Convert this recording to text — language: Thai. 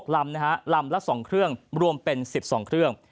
ลำนะฮะลำละ๒เครื่องรวมเป็น๑๒เครื่อง